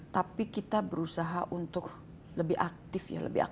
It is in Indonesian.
tapi kita berusaha untuk lebih aktif